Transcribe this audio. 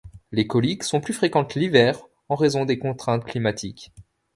Les coliques sont plus fréquentes l'hiver en raison des contraintes climatiques.